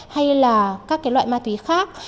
hay là các cái loại ma túy khác